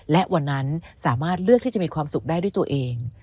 และวันนั้นสามารถเลือกที่จะมีความสุขได้ด้วยตัวเอง